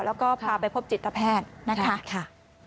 แล้วก็พาไปพบจิตแพทย์นะคะ